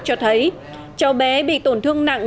cho thấy cháu bé bị tổn thương nặng